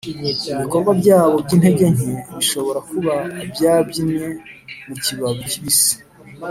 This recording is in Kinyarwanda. ibikorwa byabo byintege nke bishobora kuba byabyinnye mukibabi kibisi,